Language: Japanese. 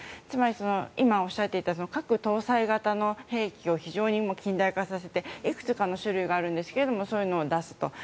つまり今おっしゃっていたように核搭載型の軍事技術を非常に近代化させていくつかの種類があるんですがそういうのを出すと。